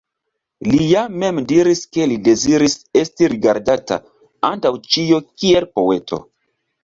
Li ja mem diris ke li deziris esti rigardata, antaŭ ĉio, kiel poeto.